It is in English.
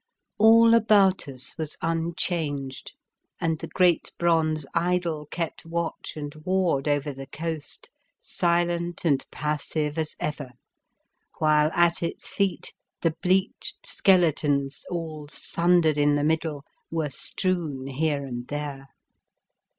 All about us was unchanged, and the great bronze idol kept watch and ward over the coast, silent and passive as ever, while at its feet the bleached skeletons, all sundered in the middle, were strewn here and there.